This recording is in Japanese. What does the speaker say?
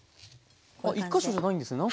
あっ１か所じゃないんですね。